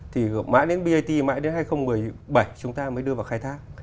thì mãi đến bat mãi đến hai nghìn một mươi bảy chúng ta mới đưa vào khai thác